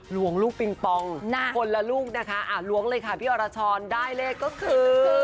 หลวงลูกปิงปองคนละลูกนะคะล้วงเลยค่ะพี่อรชรได้เลขก็คือ